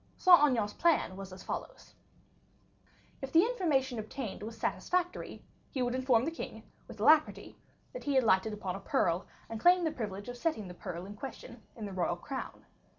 Saint Aignan's plan was as follows: If the information obtained was satisfactory, he would inform the king, with alacrity, that he had lighted upon a pearl, and claim the privilege of setting the pearl in question in the royal crown.